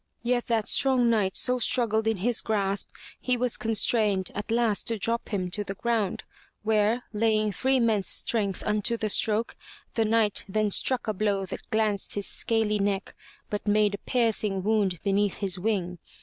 Yet that strong knight so struggled in his grasp, he was constrained at last to drop him to the ground, where, laying three men's strength unto the stroke, the Knight then struck a blow that glanced his scaly neck but made a piercing wound beneath his wing.